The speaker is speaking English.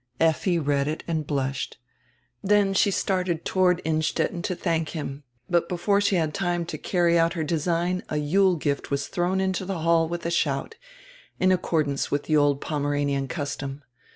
Effi read it and blushed. Then she started toward Innstetten to diank him, but before she had time to carry out her design a Yule gift was thrown into die hall widi a shout, in accordance widi die old Pom eranian custom.